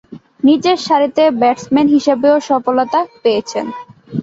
নিচেরসারিতে ব্যাটসম্যান হিসেবেও সফলতা পেয়েছেন।